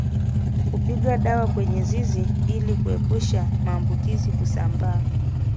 Kupiga dawa kwenye zizi ili kuepusha maambukizi kusambaa